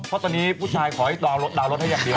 เพราะว่าบุตกร่าวลดให้อย่างดี